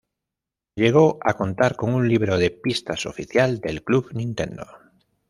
Llegó a contar con un libro de pistas oficial del Club Nintendo.